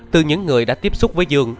từ những người đã tiếp xúc với dương